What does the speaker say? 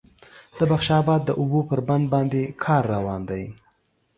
د بخش آباد د اوبو پر بند باندې کار روان دی